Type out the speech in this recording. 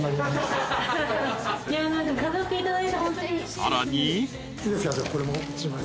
［さらに］